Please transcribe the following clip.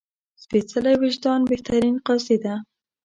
سپېڅلی وجدان بهترین قاضي ده